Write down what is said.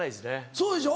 そうでしょ？